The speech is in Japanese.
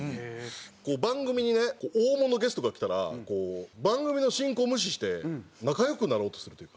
番組にね大物ゲストが来たら番組の進行を無視して仲良くなろうとするというか。